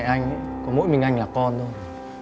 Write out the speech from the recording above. mẹ anh có mỗi mình anh là con thôi